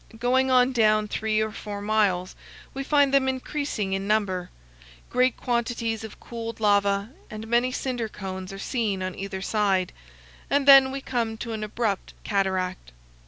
Going on down three or four miles, we find them increasing in number. Great quantities of cooled lava and many cinder cones are seen on either side; and then we come to an abrupt cataract.